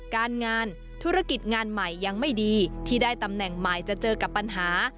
การงานธุรกิจงานใหม่ยังไม่ดีที่ได้ตำแหน่งใหม่จะเจอกับปัญหา